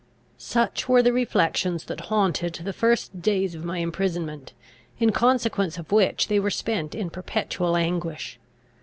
Such were the reflections that haunted the first days of my imprisonment, in consequence of which they were spent in perpetual anguish.